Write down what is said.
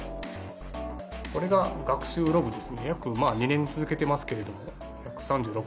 これが学習ログです。